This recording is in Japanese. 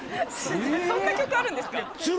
そんな曲あるんですか？